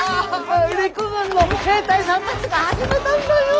陸軍の兵隊さんたちが始めたんだよ！